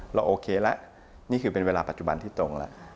โอเคแล้วนี่คือเป็นเวลาปัจจุบันที่ตรงแล้ว